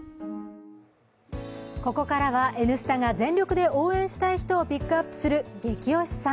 ここからは「Ｎスタ」が全力で応援したい人をピックアップするゲキ推しさん。